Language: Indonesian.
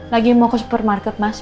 lagi mau ke supermarket mas